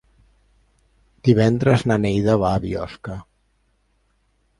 Divendres na Neida va a Biosca.